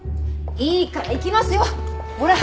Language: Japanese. いいから行きますよほら！